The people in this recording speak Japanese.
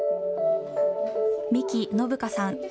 三木信香さん。